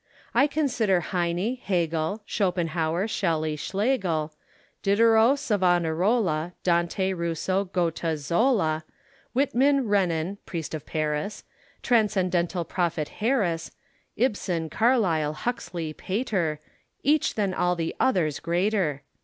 I consider Heine, Hegel, Schopenhauer, Shelley, Schlegel, Diderot, Savonarola, Dante, Rousseau, Goethe, Zola, Whitman, Renan (priest of Paris), Transcendental Prophet Harris, Ibsen, Carlyle, Huxley, Pater Each than all the others greater.